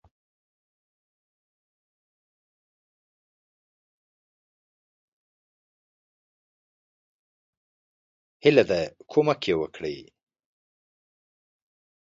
هیله ده کومک یی وکړي.